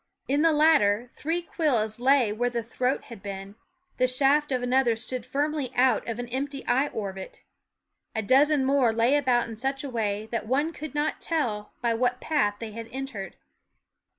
In the latter three quills lay where the throat had been ; the shaft of another stood firmly out of an empty eye orbit ; a dozen more lay about in such a way that one could not tell by what path they had entered.